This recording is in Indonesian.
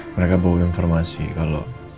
mereka bawa informasi kalau